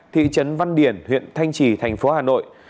thị trấn văn điển huyện thanh trì thành phố hà nội